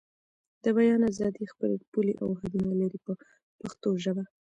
د بیان ازادي خپلې پولې او حدونه لري په پښتو ژبه.